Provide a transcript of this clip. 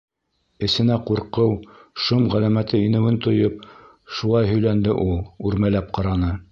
Эсенә ҡурҡыу, шом ғәләмәте инеүен тойоп шулай һөйләнде ул. Үрмәләп ҡараны.